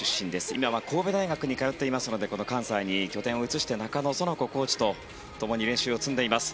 今は神戸大学に通っていますので関西に拠点を移して中野園子コーチとともに練習を積んでいます。